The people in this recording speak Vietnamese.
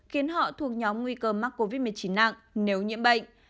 khiến họ thuộc nhóm nguy cơ mắc covid một mươi chín nặng nếu nhiễm bệnh